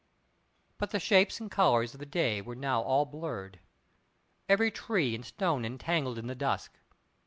But the shapes and colours of the day were now all blurred; every tree and stone entangled in the dusk.